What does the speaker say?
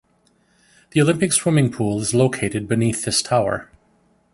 The Olympic swimming pool is located beneath this tower.